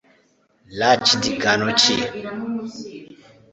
Rached Ghannouchi